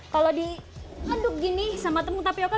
kalau diaduk gini sama tepung tapioca